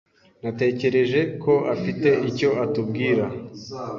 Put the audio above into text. Natekereje ko afite icyo atubwira.